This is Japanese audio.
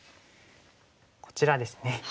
こちらですね。